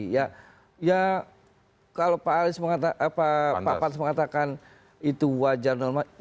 ya kalau pak pantas mengatakan itu wajar normatif